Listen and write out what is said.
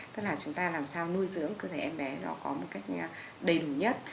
tức là chúng ta làm sao nuôi dưỡng cơ thể em bé nó có một cách đầy đủ nhất